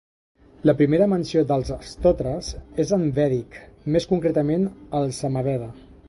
La primera menció dels stotres és en vèdic, més concretament al Samaveda.